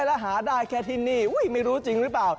แล้วหาได้แค่ที่นี่ไม่รู้จริงหรือเปล่า